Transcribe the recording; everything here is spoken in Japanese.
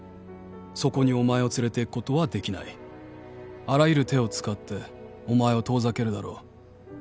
「そこにお前を連れて行くことは出来ない」「あらゆる手を使ってお前を遠ざけるだろう」